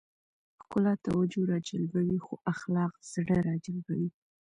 ښکلا توجه راجلبوي خو اخلاق زړه راجلبوي.